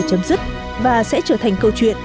chấm dứt và sẽ trở thành câu chuyện